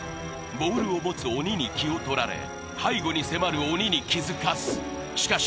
ボールを持つ鬼に気を取られ背後に迫る鬼に気づかずしかし